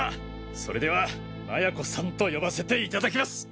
それでは麻也子さんと呼ばせていただきます！